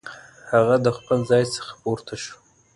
هغه د خپل ځای څخه پورته شو.